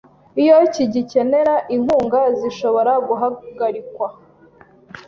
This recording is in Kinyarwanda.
iyo kigikenera inkunga zishobora guhagarikwa